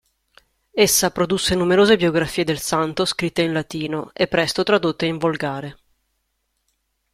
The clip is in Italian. Essa produsse numerose biografie del santo scritte in latino e presto tradotte in volgare.